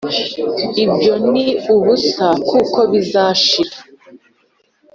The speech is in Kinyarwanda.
Ibyo ni ubusa kuko bizashira